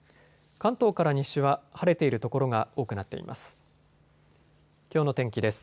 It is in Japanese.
関東から西は晴れている所が多くなっています。